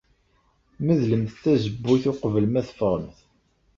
Medlemt tazewwut uqbel ma teffɣemt.